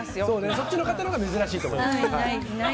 そっちの方のほうが珍しいと思います。